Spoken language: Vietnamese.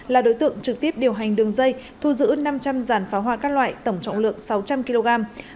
là đối tượng trực tiếp điều hành đường dây thu giữ năm trăm linh dàn pháo hoa các loại tổng trọng lượng sáu trăm linh kg